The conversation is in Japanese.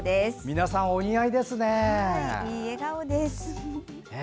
皆さん、お似合いですね。